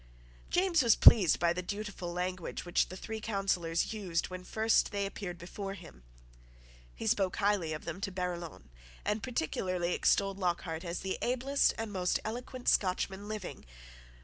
James was pleased by the dutiful language which the three Councillors used when first they appeared before him. He spoke highly of them to Barillon, and particularly extolled Lockhart as the ablest and most eloquent Scotchman living.